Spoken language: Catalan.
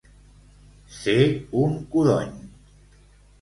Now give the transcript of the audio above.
Ser un codony.